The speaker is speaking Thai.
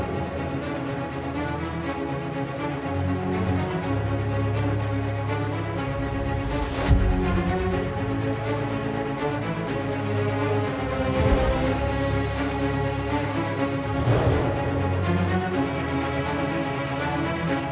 โปรดติดตามตอนต่อไป